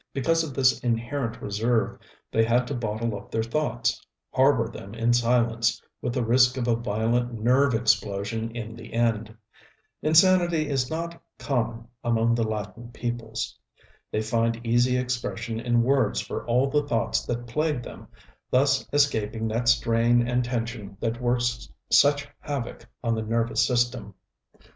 Because of this inherent reserve they had to bottle up their thoughts, harbor them in silence, with the risk of a violent nerve explosion in the end. Insanity is not common among the Latin peoples. They find easy expression in words for all the thoughts that plague them, thus escaping that strain and tension that works such havoc on the nervous system.